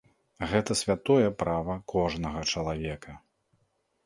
Гэта святое права кожнага чалавека.